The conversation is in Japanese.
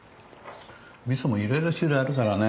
みそもいろいろ種類あるからね。